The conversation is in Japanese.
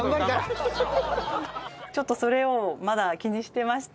ちょっとそれをまだ気にしてまして。